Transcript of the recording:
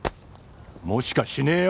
もしかしねえよ！